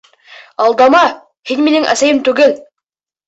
— Алдама, һин минең әсәйем түгел!..